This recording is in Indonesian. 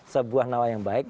sebuah nawa yang baik